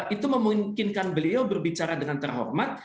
itu memungkinkan beliau berbicara dengan terhormat